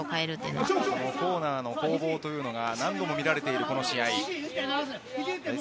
コーナーの攻防が何度も見られるこの試合。